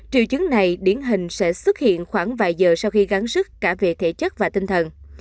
triều chứng này điển hình sẽ xuất hiện khoảng vài giờ sau khi gắn sức cả về thể chất và tinh thần